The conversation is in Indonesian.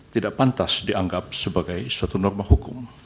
tidak pantas dianggap sebagai suatu norma hukum